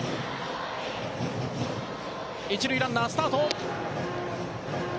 一塁ランナー、スタート。